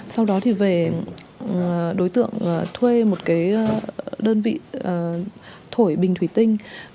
sau đó thì về đối tượng thuê một đơn vị thổi bình thủy tên rượu